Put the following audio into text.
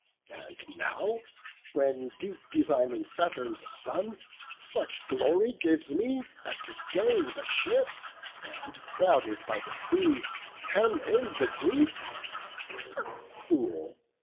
And now, when deep designing Saturn's son Such glory gives me as to gain the ships, And, crowded by the sea, hem in the Greeks, Fool!